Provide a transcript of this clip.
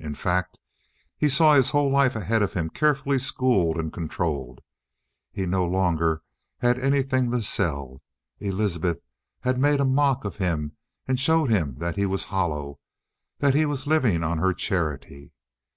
In fact, he saw his whole life ahead of him carefully schooled and controlled. He no longer had anything to sell. Elizabeth had made a mock of him and shown him that he was hollow, that he was living on her charity.